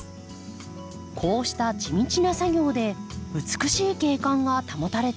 こうした地道な作業で美しい景観が保たれていたんですね。